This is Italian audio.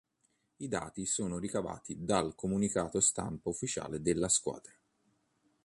I dati sono ricavati dal Comunicato Stampa ufficiale della squadra.